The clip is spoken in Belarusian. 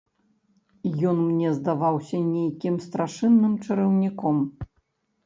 Ён мне здаваўся нейкім страшэнным чараўніком.